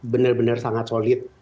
benar benar sangat solid